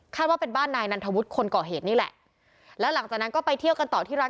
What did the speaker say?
ว่าเป็นบ้านนายนันทวุฒิคนก่อเหตุนี่แหละแล้วหลังจากนั้นก็ไปเที่ยวกันต่อที่ร้าน